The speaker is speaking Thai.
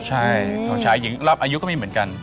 ใช่น้องชายหญิงรับอายุก็ไม่เหมือนกัน